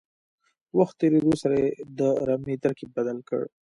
وخت تېرېدو سره یې د رمې ترکیب بدل کړ.